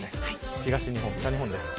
東日本、北日本です。